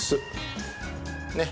ねっ。